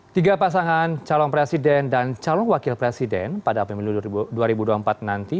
tiga pasangan calon presiden dan calon wakil presiden pada api miliun dua ribu dua puluh empat nanti